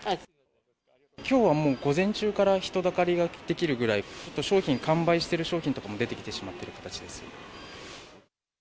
きょうはもう午前中から人だかりが出来るぐらい、商品、完売している商品とかも出てきてしまっている形です。